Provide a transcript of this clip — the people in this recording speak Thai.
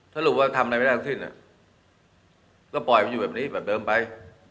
สรุปว่าทำอะไรไม่ได้ทั้งสิ้นก็ปล่อยมันอยู่แบบนี้แบบเดิมไป